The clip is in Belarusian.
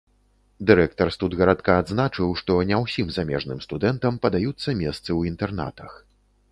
Дырэктар студгарадка адзначыў, што не ўсім замежным студэнтам падаюцца месцы ў інтэрнатах.